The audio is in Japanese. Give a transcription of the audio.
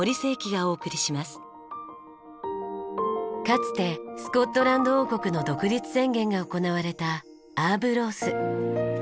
かつてスコットランド王国の独立宣言が行われたアーブロース。